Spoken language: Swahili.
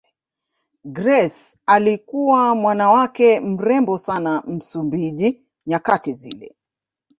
Grace alikuwa mwanawake mrembo sana Msumbiji nyakati zile